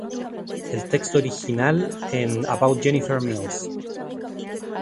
El texto original en "about jennifer mills".